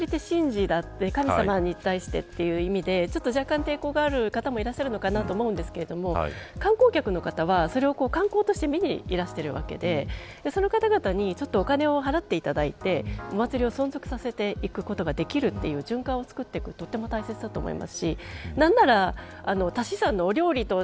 もともとお祭りは神事で神様に対して、という意味で若干、抵抗がある方もいらっしゃると思いますが観光客の方はそれを観光として見にいらしているわけでその方々にお金を払っていただいてお祭りを存続させていくことができるという循環をつくっていくのは大切だと思います。